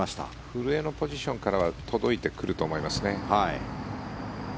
古江のポジションからは届いてくると思いますね。